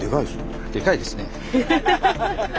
でかいですね。